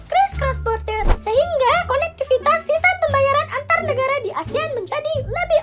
christ cross border sehingga konektivitas sistem pembayaran antar negara di asean menjadi lebih